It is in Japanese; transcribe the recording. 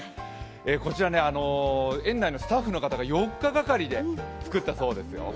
こちら、園内のスタッフの方が４日がかりで作ったそうですよ。